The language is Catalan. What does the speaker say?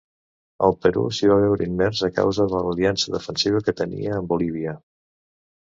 El Perú s'hi va veure immers a causa de l'aliança defensiva que tenia amb Bolívia.